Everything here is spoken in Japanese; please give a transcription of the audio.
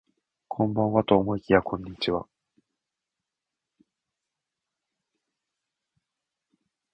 こんばんはと思いきやこんにちは